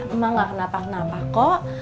emang gak kenapa kenapa kok